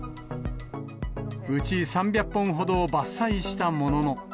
うち３００本ほどを伐採したものの。